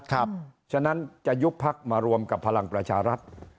เพราะฉะนั้นจะยุบพักมารวมกับพลังประชารัฐ